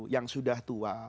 yang sudah tua